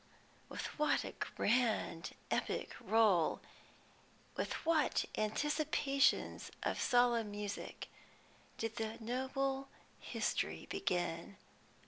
With what a grand epic roll, with what anticipations of solemn music, did the noble history begin!